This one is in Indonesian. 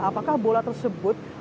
apakah bola tersebut akan berhasil